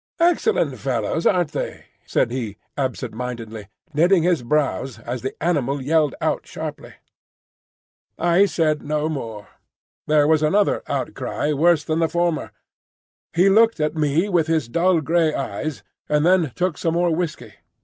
"Excellent fellows, aren't they?" said he, absentmindedly, knitting his brows as the animal yelled out sharply. I said no more. There was another outcry worse than the former. He looked at me with his dull grey eyes, and then took some more whiskey.